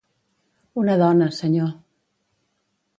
—Una dona, senyor.